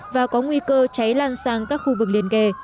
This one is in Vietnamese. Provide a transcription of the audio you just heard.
và có nguy cơ cháy lan sang các khu vực liền kề